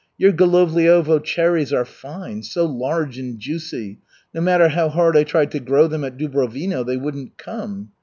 Your Golovliovo cherries are fine, so large and juicy. No matter how hard I tried to grow them at Dubrovino, they wouldn't come.